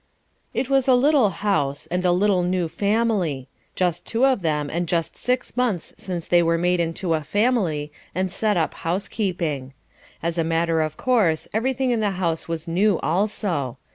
It was a little house, and a little new family; just two of them, and just six months since they were made into a family, and set up housekeeping. As a matter of course everything in the house was new also.